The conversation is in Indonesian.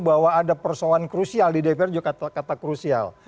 bahwa ada persoalan krusial di dpr juga kata krusial